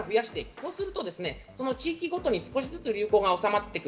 そうすると地域ごとに少しずつ流行が治まってくる。